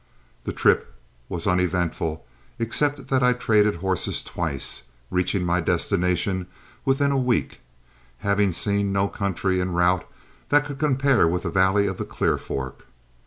The trip was uneventful, except that I traded horses twice, reaching my destination within a week, having seen no country en route that could compare with the valley of the Clear Fork.